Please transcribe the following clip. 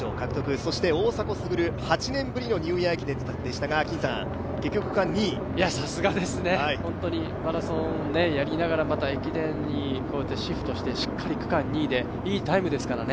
そして大迫傑、８年ぶりのニューイヤー駅伝でしたがさすがですね、マラソンやりながらまた駅伝にシフトしてしっかり区間２位でいいタイムですからね。